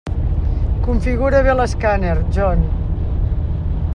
Configura bé l'escàner, John.